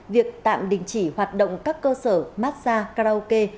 việc tạm đình chỉ hoạt động các cơ sở massage karaoke